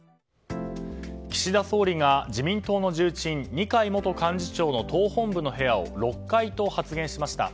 岸田総理が自民党の重鎮二階元幹事長の党本部の部屋を６階と発言しました。